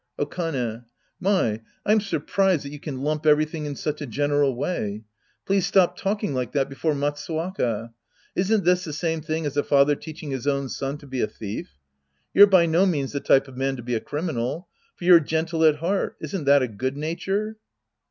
Okane. My, I'm surprised that you can lump everything in such a general way. Please stop talk ing like that before Matsuwaka. Isn't this the same thing as a father teaching liis own son to be a thief? You're by no means the type of man to be a criminal. For you're gentle at heart. Isn't that a good nature